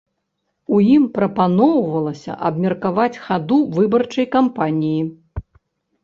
У ім прапаноўвалася абмеркаваць хаду выбарчай кампаніі.